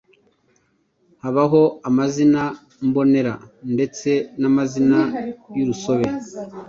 Habaho amazina mbonera ndetse n’amazina y’urusobe.